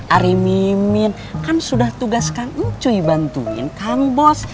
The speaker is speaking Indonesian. ari mimin kan sudah tugas kang encuy bantuin kang bos